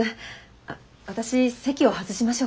あっ私席を外しましょうか。